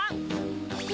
え？